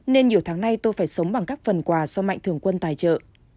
nên nhiều tháng nay tôi phải sống bằng các phần quà do mạnh thường quân tài trợ